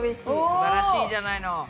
すばらしいじゃないの。